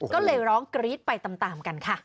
ก็เลยร้องกรี๊ดไปตามกันค่ะ